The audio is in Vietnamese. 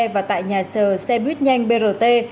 và tại nhà xe buýt nhanh brt